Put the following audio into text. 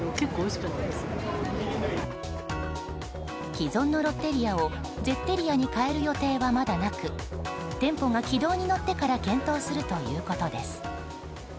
既存のロッテリアをゼッテリアに変える予定は、まだなく店舗が軌道に乗ってから検討するということです。